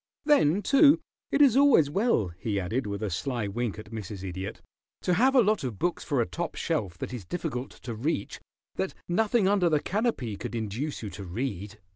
Then, too, it is always well," he added, with a sly wink at Mrs. Idiot, "to have a lot of books for a top shelf that is difficult to reach that nothing under the canopy could induce you to read.